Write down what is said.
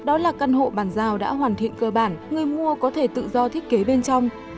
đó là căn hộ bàn giao đã hoàn thiện cơ bản người mua có thể tự do thiết kế bên trong